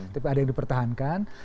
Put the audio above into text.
tapi ada yang dipertahankan